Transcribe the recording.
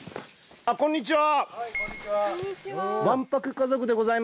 ああこんにちは！